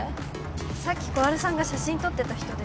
さっき小春さんが写真撮ってた人ですけど。